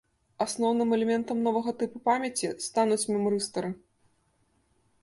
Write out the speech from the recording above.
Асноўным элементам новага тыпу памяці стануць мемрыстары.